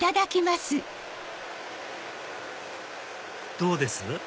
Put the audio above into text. どうです？